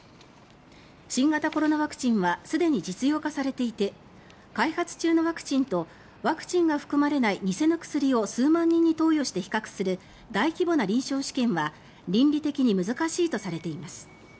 新型コロナワクチンはすでに実用化されていて開発中のワクチンとワクチンが含まれない偽の薬を数万人に投与して比較する大規模な臨床試験は倫理的に難しいとされています。